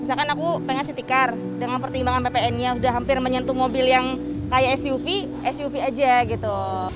misalkan aku pengen city car dengan pertimbangan ppn nya sudah hampir menyentuh mobil yang kayak suv suv aja gitu